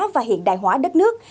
và hiện đại hóa đất nước